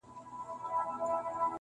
• غربته ستا په شتون کي وسوه په ما..